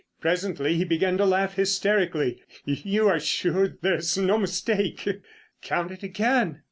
Presently he began to laugh hysterically. "You are sure there's no mistake?" "Count it again."